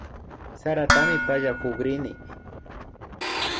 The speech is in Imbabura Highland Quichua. Saratami pallakukrini